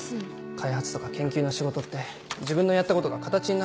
開発とか研究の仕事って自分のやったことが形になるじゃん。